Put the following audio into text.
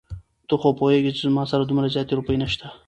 ته خو پوهېږې چې زما سره دومره زياتې روپۍ نشته.